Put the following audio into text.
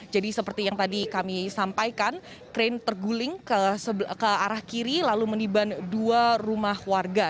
jadi seperti yang tadi kami sampaikan krain terguling ke arah kiri lalu meniban dua rumah warga